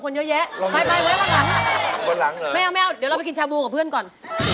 บนหลังเหรอไม่เอาเดี๋ยวเราไปกินชาบูกับเพื่อนก่อน